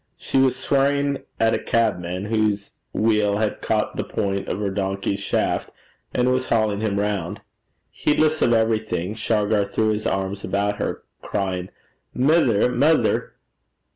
She was swearing at a cabman whose wheel had caught the point of her donkey's shaft, and was hauling him round. Heedless of everything, Shargar threw his arms about her, crying, 'Mither! mither!'